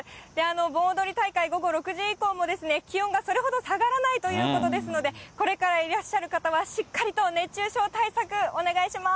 盆踊り大会、午後６時以降もですね、気温がそれほど下がらないということですので、これからいらっしゃる方は、しっかりと熱中症対策お願いします。